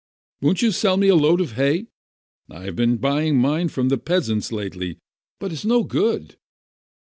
" Won't you sell me a load of hay? I have been buying mine from the peasants lately, but it's no good."